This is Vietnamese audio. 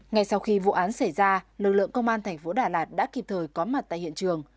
ngay sau khi vụ án xảy ra lực lượng công an thành phố đà lạt đã kịp thời có mặt tại hiện trường